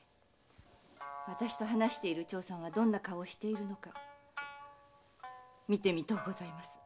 私と話している長さんがどんな顔をしているのか見てみとうございます。